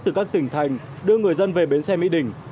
từ các tỉnh thành đưa người dân về bến xe mỹ đình